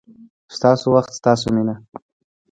ستاسو وخت، ستاسو مینه